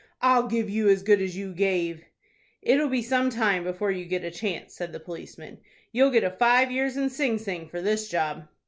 "I'll give you as good as you gave." "It'll be some time before you get a chance," said the policeman. "You'll get a five years in Sing Sing for this job."